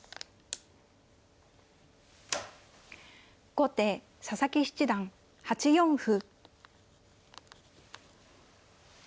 後手佐々木七段８四歩。